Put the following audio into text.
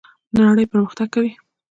نړۍ پرمختګ کوي